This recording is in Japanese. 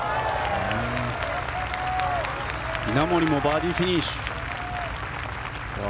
稲森もバーディーフィニッシュ。